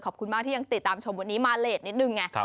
ขอบคุณมากที่ยังติดตามชมวันนี้มาเลสนิดนึงไง